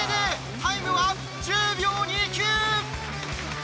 タイムは１０秒２９！